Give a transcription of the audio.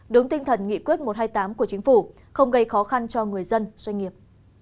đúng tinh thần nghị quyết một trăm hai mươi tám của chính phủ không gây khó khăn cho người dân doanh nghiệp